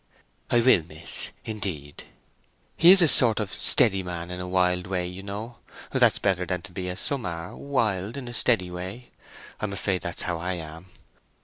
"I will, miss, indeed." "He is a sort of steady man in a wild way, you know. That's better than to be as some are, wild in a steady way. I am afraid that's how I am.